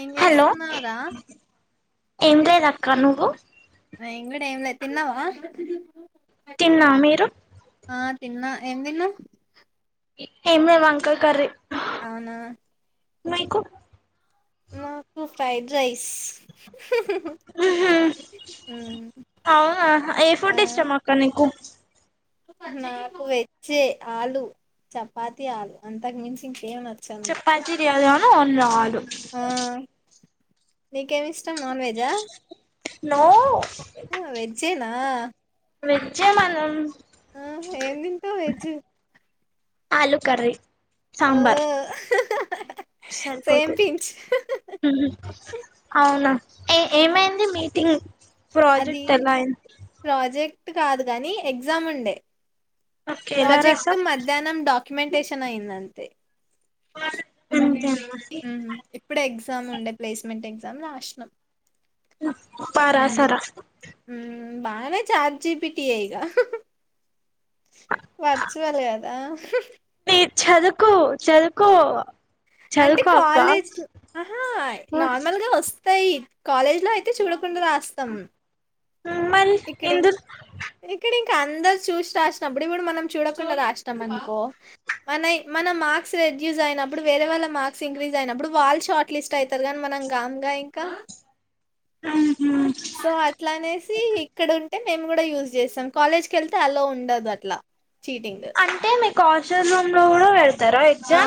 ఎం hello చేస్తున్నావ్ రా ఏం లేదు అక్క నువ్వు [unintelligible] ఏం ల తిన్నావా తిన్నా మీరు ఆ తిన్నా ఏం తిన్నావ్ ఏం లే వంకాయ కర్రీ అవునా నైకు మాకు ఫ్రైడ్ రైస్ ఉమ్ అవునా ఏ ఆ పుడ్ ఇష్టం అక్క నీకు నాకు వెజ్ ఏ ఆలు చపాతి ఆలు అంతాకు మించి ఏం నచ్చదు నాకు అన్నాలు నీకు కేమీ ఇష్టం నాన్ వెజ్ ఆ నో వెజ్జేనా వెజ్ ఏ మనం ఆ ఏమి తింటవ్ వెజ్ ఆలు కర్రీ ఆ సాంబార్ సేమ్ సరిపోతుంది పించ్ ఉహు అవునా ఏ ఏమైంది మీ ఇంగ్ అది ప్రాజెక్ట్ ఎలా అయింది ప్రాజెక్ట్ కాదు గాని ఎగ్జామ్ ఉండే ఒకేలా ప్రాజెక్ట్ రాసావ్ మధ్యాహ్నం డా క్యుమెంటేషన్ అయింది అంతే హు అంతేనా ఇప్పుడే ఎగ్జామ్ ఉండే ప్లేస్మెంట్ ఎగా [unintelligible] నం బాగా రాశారా హు బాగానే చాట్ జీ పి టి ఇగ వర్చువల్ కదా చదువుకో చదువుకో అంటే చదువుకో అక్క కాలేజ్ ఆహా నార్మల్ గా వస్తు ఈ కాలజలో అయితే చూడ కుండు రాస్తాం మరి ఇక్కడం ఎందు ఇక్కడం కె అందరు చూసి రాసినప్పుడు ఇప్పుడు మనం చూడకుండా రాసాం అనుకో మన మన మార్స్ రెడూస్ అయినప్పుడు వేర వాళ్ళ మార్క్స్ంక్రీ అయిప్పు వాళ్ళ షార్ట్లిస్ట్ యితేర గగాని మనం గమ్ం గై కహ సో అట్లా అనేసి ఇక్కడ ఉ అంటే మేము కూడా యూజ్ చేస్తాం కాలేజ్కి వెళ్తే అలా ఉండదు అట్లా చీటింగ్. అంటే మీకు షో రూమ్ లో కూడా పెడ్ ఆ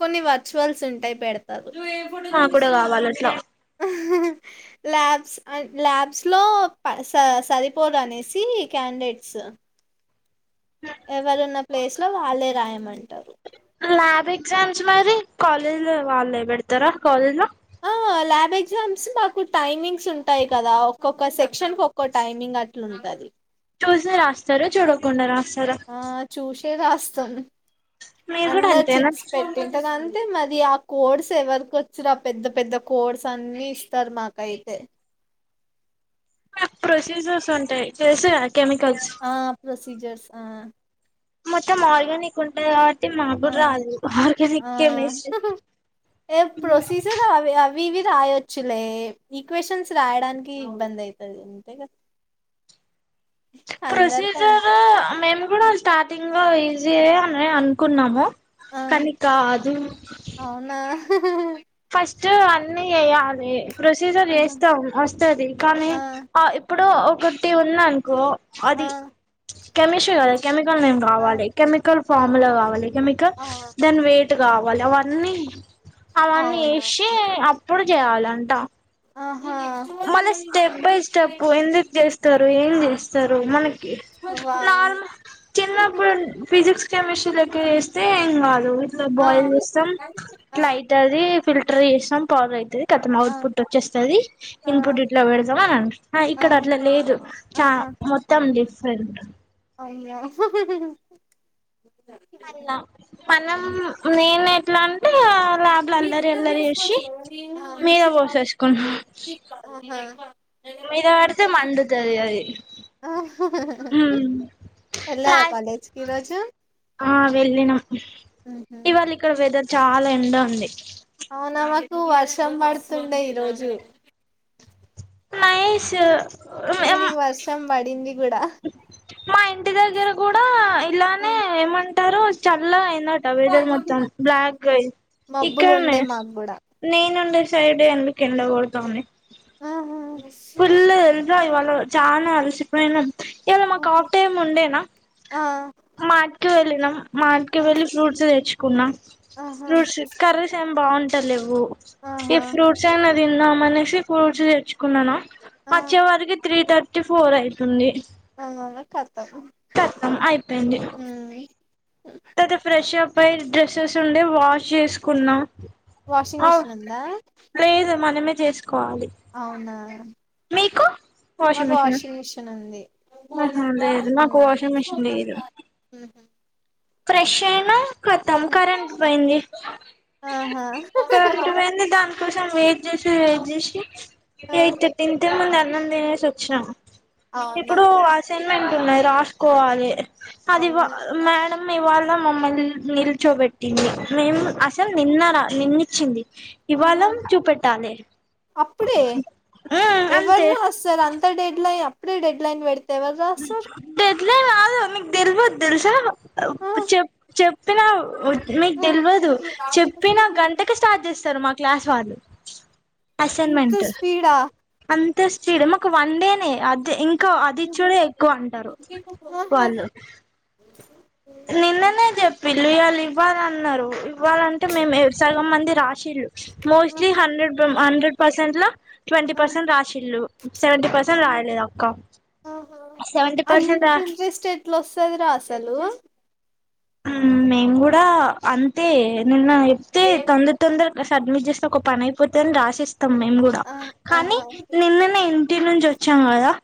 కొన్ని వాత్ రిచువల్స్ ఉంటాయి పెడతారు నువ్వేం నా కూడా కావాల అట్లా హు హు ల్యాబ్స్ ల్యాబ్స్ లో సరిపోడం అనేసి క్యాండిడేట్స్ ఎవారు నా ప్లేస్ లో వాళ్లే రాయమంటారు ల్యాబ్ ఎగ్జామ్స్ మరి కాలేజ్ లో వాళ్ళే పెడతారా కాలేజ్ లో ఆ ల్యాబ్ ఎగ్జామ్స్ మాకు టైమింగ్స్ ఉంటాయి కదా ఒక్కొక్క సెక్షన్ కు ఒక్కొ టైమింగ్ అట్లుంటది చూసి రాస్తారు చూడకుండా రాస్తారు ఆ చూసా రాస్తాం మీరు కూడా అందరు అంతేనా చిట్స పెటింటార్ అయితే మరి ఆ కోడ్స్ ఎవరికి వచ్చురా ఆ పెద్ద పెద్ద కోడ్స్ అన్ని ఇస్తారు మాకైతే ప్రొసీజర్స్ ఉంటాయి చేసే ఆ ప్రొసీజర్స్ ఆ మొత్తం ఆర్గనిక్ ఉంటాయి టి మాకు ఆ కుడా రాదు ఆర్గనిక్ ఆ కెమిస్ట్రీ ఏ ప్రొసీజర్ అవి అవి ఇవి రాయొచ్చులే ఈక్వేషన్స్ రాయడానికి ఇబ్బంది అవుతుంది అంతే కదా అందరికి ప్రొసీజర్ అంతే మేము కూడా స్టార్టింగ్ లో ఇజియే అని అనుకున్నాము ఆ కానీ కాదు హహ ఫస్ట్ అన్ని చేయాలి ప్రొసీజర్ ఆహా, వేస్తాం వస్తుది కానీ ఆ ఇప్పుడు ఇప్పుడు ఒకటి వుంది అనుకో ఆ అది కెమిస్ట్రీ కదా కేమి మేము ఆ రావాలి కెమికల్ ఫామ్ లో కావాలి కేమికల్ ఆ దాని వేట్ వేట్ కావాలి అవన్నీ అవన్నీ అవునా ఎశే ఇపుడు చేయాలంట ఆహా మళ్ళ స్టెప్ బై స్టెప్ ఎందుకు చేస్త్ చేస్తారు ఏం చేస్తారు మనకి వామ్మో నార్మల్ చిన్నప్పుడు ఫిజిక్స్ కెమిస్ట్రీ లో కి వేస్తే ఏం కాదు ఇట్లా ఆ బాయిల్ చేస్తాం ఆ ఇట్లా అయితది త్రి చేశినం [unintelligible] అయితయి కతం ఆ. అవుట్ పుట్ వచ్చేస్తది ఆ ఇన్పుట్ ఇట్లా పెడతం అని అంటారు ఆ ఇక్కడ అట్లా లేదు చా ఆహా మొత్తం డిఫరెంట్ అయ్యో మనం నేన్ ఎట్లాంటే మీరు ఇద్దరు చేసుకోవచ్చు మీద కదా మంచిగా పోసేసుకున్నా ఆహా మీద పడితే మండుతది అది వెళ్ళావా లాస్ కాలేజ్కి ఈ రోజు ఆ వెళ్ళిన ఇవాళ ఇక్కడ వెదర్ చాలా ఎండ ఉంది అవునా మ కు వర్షం పడుతుండే ఈ రోజు మహేష్ ఈవినింగ్ వర్షం పడింది కూడా మా ఇంటి దగ్గర కూడా ఇలానే ఏమంట టరు చల్ల్ వెదర్ మొత్తం బ్లాక్ మబ్బులు ఉండే ఇక్కడనే మాకు కూడా నేను ఉ సైడ్ ఎందుకు ఎండ కొడుతుంది స్స్ ఇవాళ చానా అలసిపొయినం ఇవాళ మాకు ఆఫ్ టైమ్ ఉండేనా మార్ట్ కి వెళ్ళినం మార్ట్ కి వెళ్లి ఫ్రూట్స్ తెచ్చు కున్నా ఆహా ఫ్రూట్స్ కర్రీస్ ఏం బావున్ ట్టలెవ్వు ఈ ఆహా ఫ్రూట్స్ ఏ [unintelligible] తిందాం అనేసి ఫ్రూట్స్ తెచ్చుకున్నానా ఆ వచ్చే వరకి త్రీ థర్టీ ఫోర్ ఐతుంది అవునా కతం చేత్తాం అయిపోయింది మ్మ్ ట్టైతే ఫ్రెష్ అప్ అయి డ్రెస్సెస్ ఉండే వాష్ చేసుకున్నా వాషింగ్ మిషన్ ఉందా చేసు అవునా మీకు మాకు వాషింగ్ మిషిన్ ఉంది ఆహా ఉమ్మ్ లేదు మాకు వాషింగ్ ఫ్రెషను ఖతం కరెంట్ పోయింది ఆహా కరెంట్ పోయింది దాని కోసం వెయిట్ చేసి వెయిట్ చేసి ఆ ఎయి [unintelligible] ఇంతకు ముందు అన్నం తినేేసి వచ్చాం అవునా ఇప్పుడు అసైన్మెంట్ ఉన్నాయి రాసుకోవాలి అది అవునా మేడం మేము వాళ్ళం మమ్మల్ని నిల్చోబెట్టింది మేము అ నిన్న రా నిన్ని చింది ఇవాళ ఆహా చూపెట్టాలి ఉమ్ ఎవర్ అంతే రాస్తార్ అంత డెడ్లె ప్పుడే డెడ్లైన్ పెడి తె ఎవర్రాస్తారు ఇదే కాదు మీకు తెల్వద్ తెలుసా ఆ [unintelligible] చెప్ చెప్ [unintelligible] మీకు ఆ తెల్వదు చెప్పిన గంటకి స్టార్ట్ చేస్తారు మాక్ క్లాస్ వాళ్ళు అంత అసైన్మెంట్ స్పీడా అంత్ స్టేడియం ఒక వన్ డేనే అదే ఇంక ఆహా చూడు ఎక్కువ అంటరు వాళ్ళు నిన్ననే చెప్పిల్లు ఇయాళ్ళ ఇవ్వాలన్నరు ఇవ్వాలంటే మేము సగం మంది రాశిళ్ళు మోస్ట్లీ ఆహా హండ్రెడ్ హండ్రెడ్ పర్సెంట్లో ట్వంటీ పర్సెంట్ రాసిళ్ళు సెవెంటీ ఆహా పర్సెంట్ రాయలేదు ఒక్క ఆహా సెవెంటీ అంత పర్సెంట్ రా ఇంట్రెస్ట్ ఎట్లా వస్తదిరా అసలు మేం గూడా అంతే నిన్న ఎప్తే తొందర తొందర సడ్మిట్ చేస్తే ఒక పని అయిపోత అని రాసేస్త తం మేము గూడా ఆ కానీ ఆహా నిన్న టీ నుంచి ఒచ్చాం గదా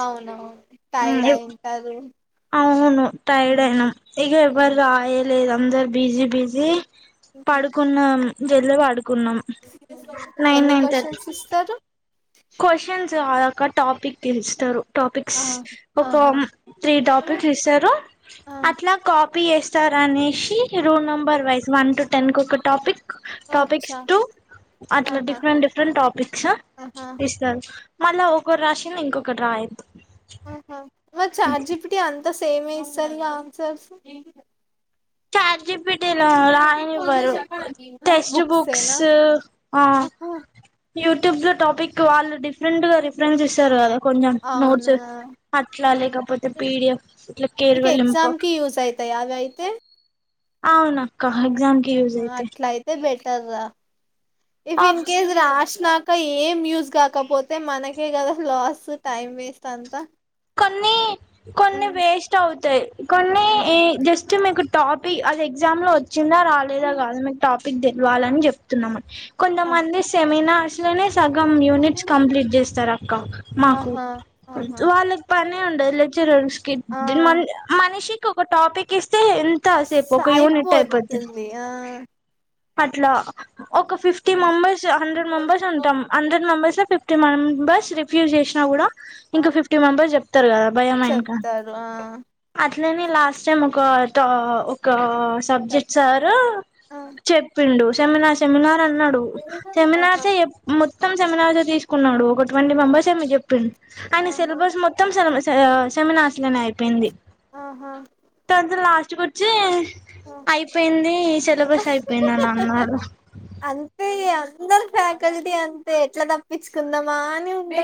అవునవును టైడా ఇంటారు అవును టైర్డ్ అయినా ఇగెవ రాయ లేదు అందరు బిజీ బిజీ ఉమ్ పడుకున్నం జల్ల వడు కున్నం నైన్ ఎన్ని నైన్ థర్టి క్వశ్చన్స్ ఇస్తారు కొషన్స్ ఒక టాపిక్ తెలుస్తారు టాపిక్స్ ఆ ఆహా ఒకం త్రీ టాపిక్స్ ఇస్తరు ఆ అట్లా కాపీ టపీ చేేస్తారు అనేసి rule number wise one two ten కొక టాపిక్ టాపిక్స్ అచ్చా టు అట్ల ఆహా డిఫరెంట్ డిఫరెంట్ టాపిక్స్ ఆహా మళ్ళ ఒకరు రాశింది ఇంకొకర్ రాయద్దు ఆహా మరి చాట్ జిపిటి అంతస్ సేమె ఇస్తది గ ఆన్సర్స్ చాట్జజీపీటీలో రాయనివ్వరు టెక్స్ట్ బుక్స్ ఆ ఆహా యూట్యూబ్ లో టాపిక్ వాళ్ళు డిఫరెంట్ గ రిఫరెన్స్ ఇస్తారు కదా కొంజెం అవునా నోట్స్ అట్లా లేకపోతే పీడిఎఫ్ ఇట్లా కేర్ వెళ్లింపు తే అవున క ఎగ్జామ్ కి యూజ్ అయితయ్ టర్ర ఇఫ్ ఇన్ కేస్ రాశ్నా క ఏం యూస్ కాకపోతే మనకే కదా లాస్ టైం వేస్ట్ అంత కొన్ని కొన్ని వేస్ట్ అవుతయి కొన్ని ఇ జస్ట్ మీకు టాపి అది ఎగ్జామ్ లో వ చిన్న రాలేదా కాదు మీకు టా పిక్ తెలవాలని చెప్తున్నాము కొంతమంది సెమినార్ ఇట్లనే సగం యూనిట్స్ కంప్లీట్ చేస్తారు అక్క మాకు ఆహా ఆహా వాళ్ళ అన్ని ఉండయి లెక్చరర్స్ కి ఆ ది మా మనషి ఒక టాపిక్ ఇస్ సయిపోతుంది ఆ అట్లా ఒక ఫిఫ్టీ మెంబర్స్ హండ్రెడ్ మెంబర్స్ ఉంటాం హండ్రెడ్ మెంబర్స్ లో ఫిఫ్టీ మెం బర్స్ రిఫ్యూజ్ చేసిన కూడా ఆ ఇంకా ఫిఫ్టీ మెంబర్స్ చెప్తారు కదా భయం ఇంకా చెప్తారు ఆ అట్ అట్లని లాస్ట్ టైం ఒక ట ఒక. చెప్ సబ్జెక్ట్ సారు ఆ పిండు సమనా సమనా అన్నాడు సెమినార్స ఆహా ఏ మోథమ్ చెప్ మొత్తం శమినార్ తీసుకున్నాడు ఒక ఇటువంటి మెంబర్స్ ఏ మీరు చెప్పండి ఆయన ఆహా సిలబస్ మొత్తం స ఆ సెమినార్స్ నినా అయిపోయింది ఆహా తంత లాస్ట్ గు చ అయిపోయింది సిలబస్ అయిపో ఎన్న ఆ అనాడు అంతే అందరు ఫ్యాకల్టీ అంతే ఎట్లా తప్పించుకుందామా అని ఉంటే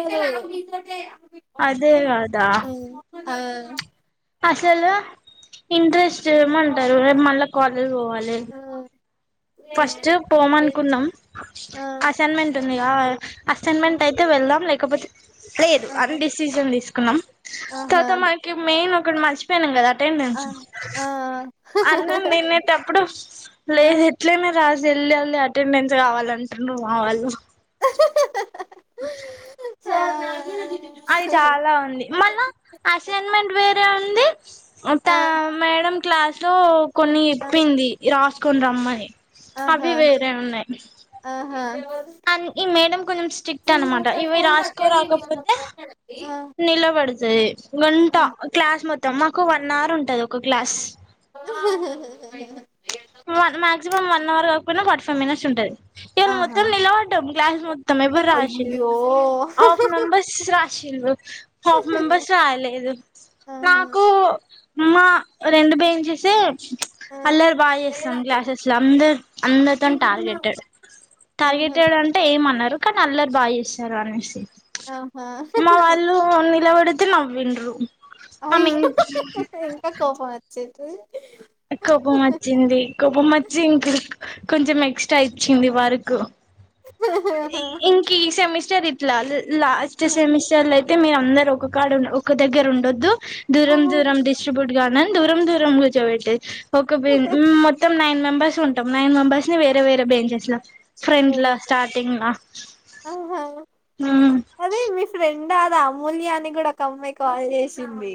అదే కదా అసలు ఇంట్రెస్ట్ ఏమంటారు మళ్ళా కాలేజ పోవాల లే ఫస్ట్ పోమనుకున్నాం ఆ ఆ ఆ అసైన్మెంట్ ఉంది అసైన్మెంట్ అయితే వెళ్దాం లేకపోతే లేదు అని డిసిషన్ తీసు కా ఆహా ఆహా తతా మాకి మేయిన్ ఇక్కడ మర్చిపోయాను కదా ఆ ఆ [unintelligible] ఆ అన్నం నిన్నటప్పుడు లేదు రాసి వెళ్ళి అటెండెన్స్ కావాలంటున్నారు మా వాళ్ళు అ స అది చాలా ఉంది మళ్ళా అసైన్మెంట్ వేరే ఉంది అంతా ఆ మేడం క్లాస్ లో కొన్ని చేప్పింది రాసు కొనీ రమ్మని అవి ఆహా వేరే ఉన్నాయి ఆహా అ ఈ మేడం కొంచెం స్ట్రిక్ట్ అనమాట ఇవి రాసుకో రాకపోతే నిలబడి కొడతది గంట క్లాస్ మొ తమ్మకు వన్ అవర్ ఉంటది ఒక క్లాస్ హు హు నువ్వు అనమా వన్ అవర్ కాకపోనా ఫోర్టిఫైవ్ మినిట్స్ ఉంటది ఇయాల ఆహా మొత్తం నిలబడం క్లాస్స్ మొత్తం ఎవరు రాసిలె అయ్యో ఆఫ్ మెంబర్స్ రా చిల్ హాఫ్ మెంబర్స్ రాయలేదు, ఆహా నాకు మ్మా రెండు బేన్చీస్ చే ఆ అల్లరి బాగా చే సమ్ క్లాసెస్ లో అందరు అందరితోను టార్గెటెడ్, ఆహా టార్గెటెడ్ అంటే ఏమనరు కానీ అల్లరి బాగా చేస్తారు అనేసి ఆహా మా వాళ్ళు నిలవడి ఐతే నవ్విండ్రు ఆమె అయినాకా కోపం వచ్చి చెతే [unintelligible] కోపం వచ్చింది కోపం వచ్చి ఇంక కొంచెం ఎక్స్ట్రా ఇచ్చింది వర్కు ఆహా ఇంకి సెమిస్ చ్చరిట్ల ఆలు లాస్ట్ సెమస్టర్ లైతే అయితే మీరు అందరు ఒక కాడ ఉండ ఒక దగ్గర ఉండొదు దూరం ఆహా దూరం డిస్ట్రిబ్యూట్ గండని దూరం దూరం కూర్చోబె టె ఒక బె మొత్తం ము నైన్ మెంబర్స్ ఉంటాం నైన్ మెంబర్స్నీ వేరే వేరే బెంచెస్ ల ఫ్రెంట్ల అయ్యో స్టార్టింగ్ల ఆహా ఉ ఇందద అమూల్యా అని కూడా ఒక అమ్మాయి కాల్ చేసింది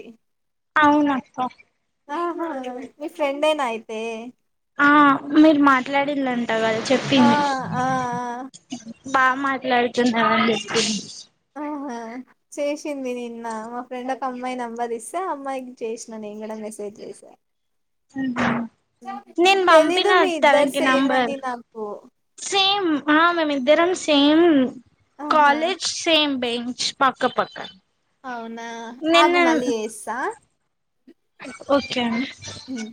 అవును అక్క హ హ మీ ఫ్రెండెనా అయితే ఆ మీరు మాట్లాడిళం ట గద ఆ చెప్పింది ఆ ఆ బాగా మాట్లాడుతున్నావని చెపింది ఆహా చేసింది నిన్న మా ఫ్రెండ్ ఒక అమ్మాయి నెంబర్ ఇస్తే అమ్మాయికి చేసిన నేను కూడా మెసేజ్ చేసా నేను తెలీదు పంపిన మీ ఇద్దరు తనకి సేమ్ నంబర్ అని నాకు సేమ్ ఆహా మేమ్ ఇద్దరం సేమ్ ఆహా కాలేజ్ సేమ్ బే చ్ పక్క పక్క అవునా నిన్న ఆగు మల్లి చెస్సా ఓకే అండి ఉమ్